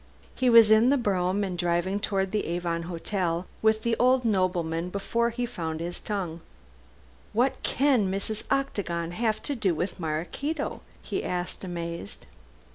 He was in the brougham and driving towards the Avon Hotel with the old nobleman before he found his tongue. "What can Mrs. Octagon have to do with Maraquito?" he asked amazed.